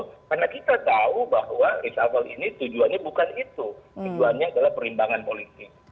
tujuannya bukan itu tujuannya adalah perimbangan politik